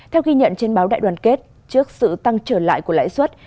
theo ghi nhận trên báo đại đoàn kết trước sự tăng trở lại của lãi suất